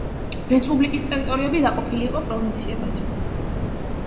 რესპუბლიკის ტერიტორიები დაყოფილი იყო პროვინციებად.